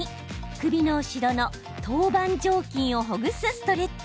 首の後ろの頭板状筋をほぐすストレッチ。